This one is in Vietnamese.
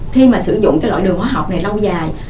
khi mà sử dụng cái loại đường hóa học này lâu dài